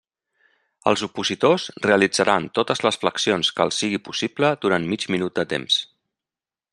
Els opositors realitzaran totes les flexions que els sigui possible durant mig minut de temps.